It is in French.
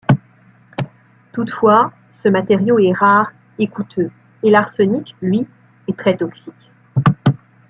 Toutefois, ce matériau est rare et coûteux et l'arsenic, lui, est très toxique.